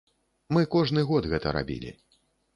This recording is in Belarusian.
Мы кожны год гэта рабілі.